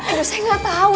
aduh saya nggak tahu